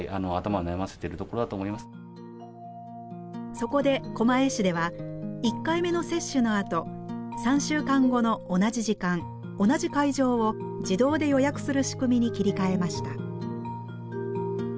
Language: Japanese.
そこで狛江市では１回目の接種のあと３週間後の同じ時間同じ会場を自動で予約する仕組みに切り替えました。